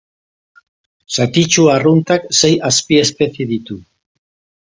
Satitsu arruntak sei azpiespezie ditu.